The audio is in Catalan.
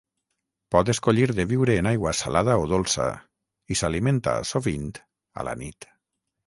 Pot escollir de viure en aigua salada o dolça, i s'alimenta, sovint, a la nit.